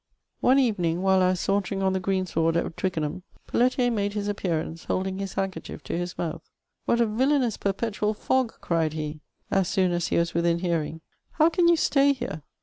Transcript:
One evening, while I was sauntering on the green sward at Twickenham, Felletier made his appearance, holding his hand kerchief to his mouth. *^ What a villanous perpetual fog T' cried he, as soon as he was within hearing ;'^ how can you stay here